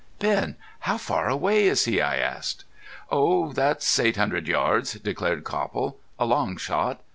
"Ben, how far away is he?" I asked. "Oh, that's eight hundred yards," declared Copple. "A long shot.